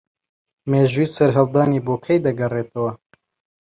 مێژووی سەرهەڵدانی بۆ کەی دەگەڕێتەوە